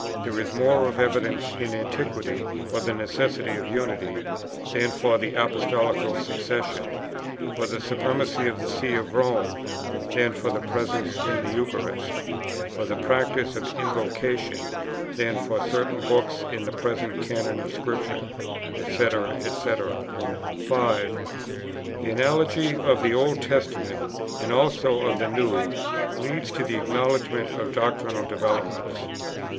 there is more of evidence in Antiquity for the necessity of Unity, than for the Apostolical Succession; for the Supremacy of the See of Rome, than for the Presence in the Eucharist; for the practice of Invocation, than for certain books in the present Canon of Scripture, &c. &c. 5. The analogy of the Old Testament, and also of the New, leads to the acknowledgment of doctrinal developments."